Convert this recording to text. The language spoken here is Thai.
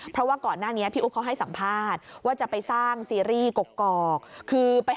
เพราะว่าก่อนหน้านี้พี่อุ๊บเขาให้สัมภาษณ์ว่าจะไปสร้างซีรีส์กอกคือไปหา